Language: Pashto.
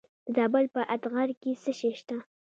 د زابل په اتغر کې څه شی شته؟